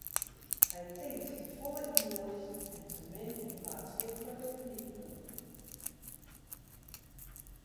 Hy tinkt te folle yn jild en te min yn maatskiplike knyppunten.